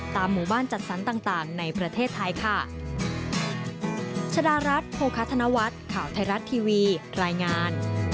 หมู่บ้านจัดสรรต่างในประเทศไทยค่ะ